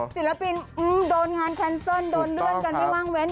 ศิลปินโดนงานแคนเซิลโดนเลื่อนกันไม่ว่างเว้น